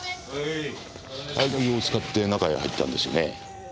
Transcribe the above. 合鍵を使って中へ入ったんですよね？